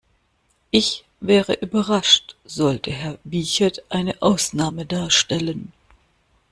Ich wäre überrascht, sollte Herr Wiechert eine Ausnahme darstellen.